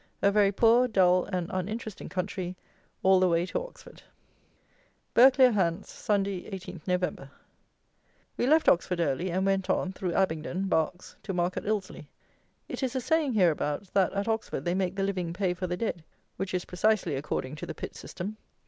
A very poor, dull, and uninteresting country all the way to Oxford. Burghclere (Hants), Sunday, 18 Nov. We left Oxford early, and went on, through Abingdon (Berks) to Market Ilsley. It is a saying, hereabouts, that at Oxford they make the living pay for the dead, which is precisely according to the Pitt System.